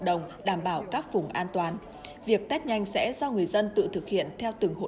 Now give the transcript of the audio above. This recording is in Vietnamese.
đồng đảm bảo các vùng an toàn việc test nhanh sẽ do người dân tự thực hiện theo từng hộ